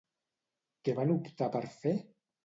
Què van optar per fer?